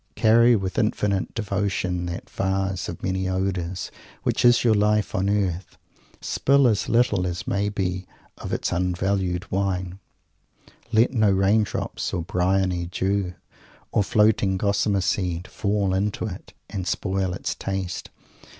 "Carry with infinite devotion that vase of many odours which is your Life on Earth. Spill as little as may be of its unvalued wine; let no rain drops or bryony dew, or floating gossamer seed, fall into it and spoil its taste.